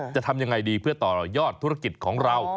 จะทำยังไงดีเพื่อต่อยอดธุรกิจของเรา